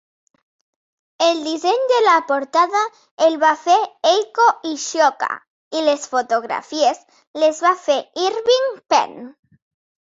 El disseny de la portada el va fer Eiko Ishioka i les fotografies les va fer Irving Penn.